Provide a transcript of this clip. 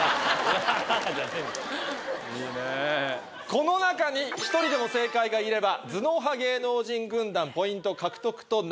この中に１人でも正解がいれば頭脳派芸能人軍団ポイント獲得となります。